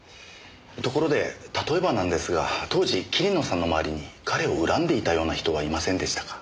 ところで例えばなんですが当時桐野さんの周りに彼を恨んでいたような人はいませんでしたか？